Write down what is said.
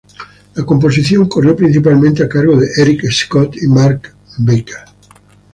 La composición corrió principalmente a cargo de Erik Scott y Mark Baker.